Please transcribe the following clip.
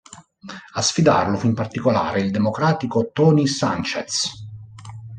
A sfidarlo fu in particolare il democratico Tony Sanchez.